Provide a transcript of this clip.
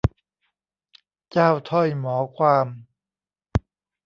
เจ้าถ้อยหมอความ